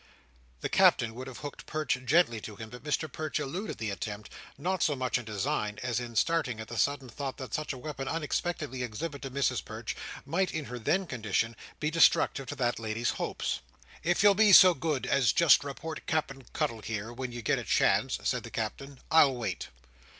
The Captain would have hooked Perch gently to him, but Mr Perch eluded the attempt; not so much in design, as in starting at the sudden thought that such a weapon unexpectedly exhibited to Mrs Perch might, in her then condition, be destructive to that lady's hopes. "If you'll be so good as just report Cap'en Cuttle here, when you get a chance," said the Captain, "I'll wait."